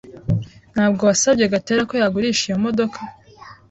Ntabwo wasabye Gatera ko yagurisha iyo modoka?